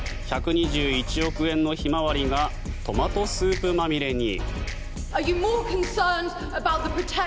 １２１億円の「ひまわり」がトマトスープまみれに。